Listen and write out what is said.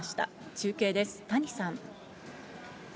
中継です、谷さん。